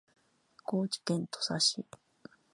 高知県土佐市